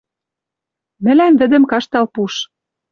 Мӹлӓм вӹдӹм каштал пуш.